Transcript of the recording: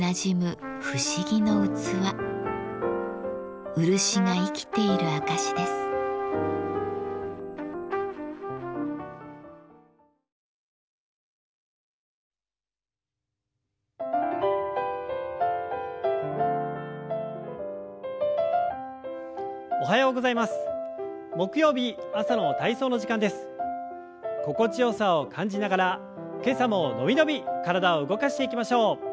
心地よさを感じながら今朝も伸び伸び体を動かしていきましょう。